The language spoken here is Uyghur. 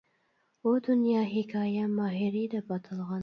ئۇ دۇنيا ھېكايە ماھىرى دەپ ئاتالغان.